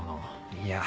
いや。